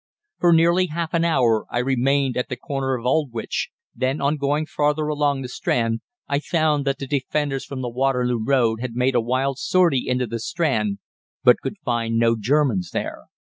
For nearly half an hour I remained at the corner of Aldwych; then, on going farther along the Strand, I found that the defenders from the Waterloo Road had made a wild sortie into the Strand, but could find no Germans there.